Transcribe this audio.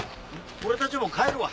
俺たちも帰るわ。